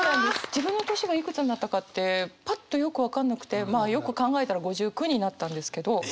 自分の年がいくつになったかってパッとよく分かんなくてまあよく考えたら５９になったんですけど。